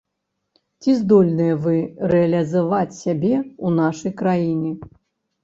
Ці здольныя вы рэалізаваць сябе ў нашай краіне?